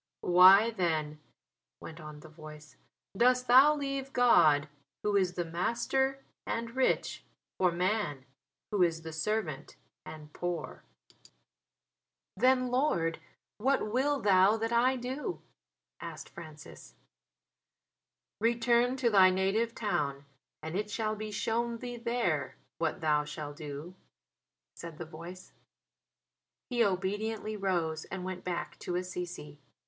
"Why then," went on the voice, "dost thou leave God, Who is the Master and rich, for man, who is the servant and poor?" "Then, Lord, what will Thou that I do?" asked Francis. "Return to thy native town, and it shall be shown thee there what thou shall do," said the voice. He obediently rose and went back to Assisi.